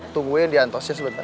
tungguin diantosnya sebentar